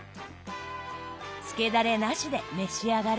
つけだれなしで召し上がれ。